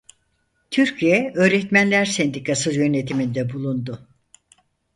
Türkiye Öğretmenler Sendikası yönetiminde bulundu.